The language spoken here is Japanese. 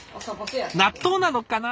納豆なのかな？